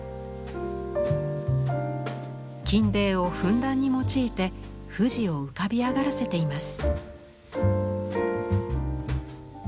金泥をふんだんに用いて富士を浮かび上がらせています。